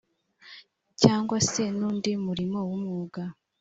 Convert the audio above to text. cyangwa se n’undi murimo w’umwuga